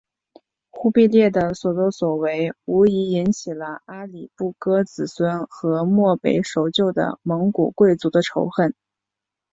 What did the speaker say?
忽必烈的所做所为无疑引起了阿里不哥子孙和漠北守旧的蒙古贵族的仇恨。